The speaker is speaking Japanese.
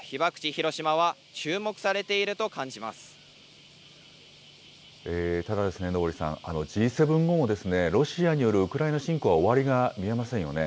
広島は、注目さただですね、昇さん、Ｇ７後も、ロシアによるウクライナ侵攻は終わりが見えませんよね。